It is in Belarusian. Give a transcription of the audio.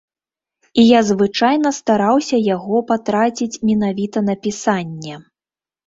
І я звычайна стараўся яго патраціць менавіта на пісанне.